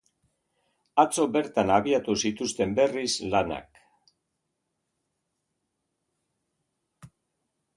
Atzo bertan abiatu zituzten berriz lanak.